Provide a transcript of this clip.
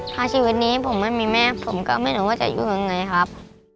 ถ้าชีวิตนี้ผมไม่มีแม่ผมก็ไม่รู้ว่าจะอยู่ยังไงครับ